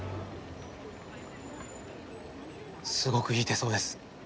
すごくいい手相です。